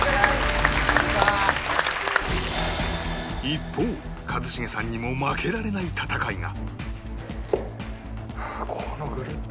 一方一茂さんにも負けられない戦いが